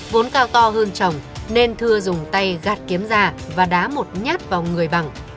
vốn cao to hơn chồng nên thưa dùng tay gạt kiếm ra và đá một nhát vào người bằng